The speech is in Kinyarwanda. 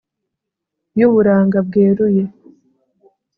Y'uburanga bweruye